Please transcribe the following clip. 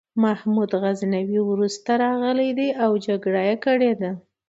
محمود غزنوي وروسته راغلی دی او جګړه یې کړې ده.